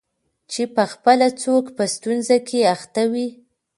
چي پخپله څوک په ستونزه کي اخته وي